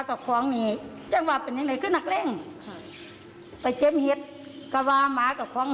โด่อาจมาหาคนมาเผาแสง